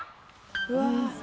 うわ。